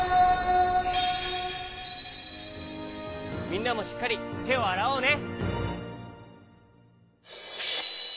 みんなもしっかりてをあらおうね！